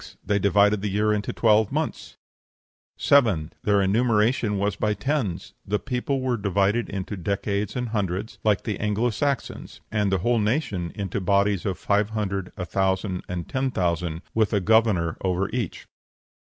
They divided the year into twelve months. 7. Their enumeration was by tens; the people were divided into decades and hundreds, like the Anglo Saxons; and the whole nation into bodies of 500, 1000, and 10,000, with a governor over each.